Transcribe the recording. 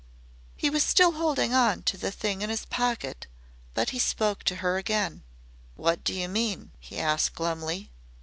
He was still holding on to the thing in his pocket, but he spoke to her again. "What do you mean?" he asked glumly.